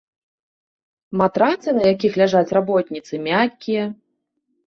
Матрацы, на якіх ляжаць работніцы, мяккія.